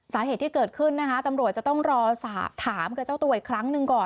สาเหตุที่เกิดขึ้นนะคะตำรวจจะต้องรอถามกับเจ้าตัวอีกครั้งหนึ่งก่อน